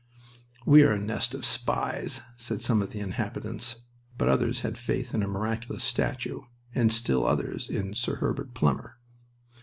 "We are a nest of spies," said some of the inhabitants, but others had faith in a miraculous statue, and still others in Sir Herbert Plumer.